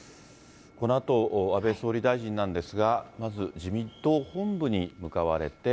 このあと安倍総理大臣なんですが、まず自民党本部に向かわれて。